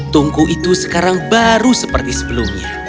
tungku itu sekarang baru seperti sebelumnya